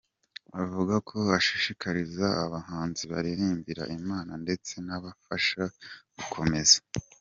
avuga ko ashishikariza abahanzi baririmbira Imana ndetse nababafasha, gukomeza.